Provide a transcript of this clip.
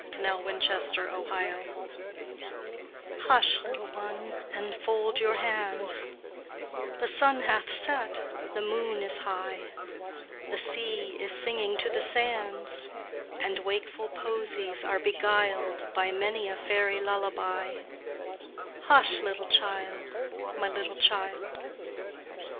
SICILIAN LULLABY Hush, little one, and fold your hands; The sun hath set, the moon is high; The sea is singing to the sands, And wakeful posies are beguiled By many a fairy lullaby: Hush, little child, my little child!